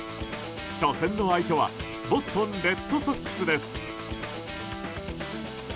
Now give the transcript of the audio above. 初戦の相手はボストン・レッドソックスです。